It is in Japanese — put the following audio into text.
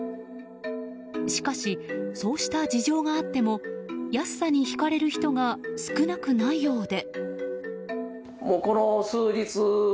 しかし、そうした事情があっても安さに引かれる人が少なくないようで。